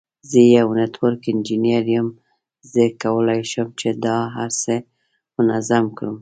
زه یو نټورک انجینیر یم، زه کولای شم چې دا هر څه سم منظم کړم.